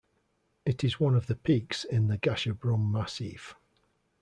It is one of the peaks in the Gasherbrum massif.